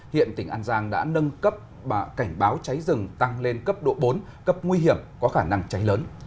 hiện tỉnh an giang đã nâng cấp cảnh báo cháy rừng tăng lên cấp độ bốn cấp nguy hiểm có khả năng cháy lớn